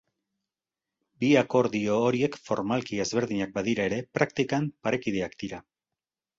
Bi akordio horiek formalki ezberdinak badira ere, praktikan parekideak dira.